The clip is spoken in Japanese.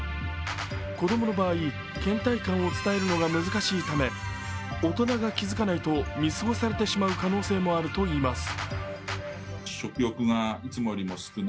子供の場合、けん怠感を伝えるのが難しいため、大人が気づかないと見過ごされてしまう可能性もあるといいます。